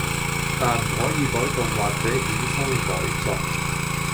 但唔可以改動或者衍生改作